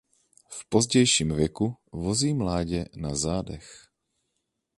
V pozdějším věku vozí mládě na zádech.